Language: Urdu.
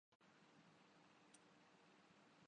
جیسا کہ تشدد، بم دھماکے اورجہاد۔